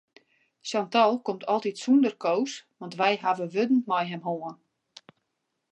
Chantal komt altyd sûnder Koos want wy hawwe wurden mei him hân.